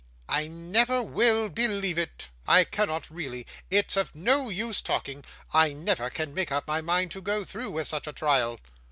'I never will believe it,' said Miss Petowker; 'I cannot really. It's of no use talking, I never can make up my mind to go through with such a trial!